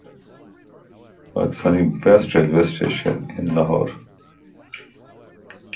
Afterwards they were allowed to return to the lifeboats with their fellow crewmen.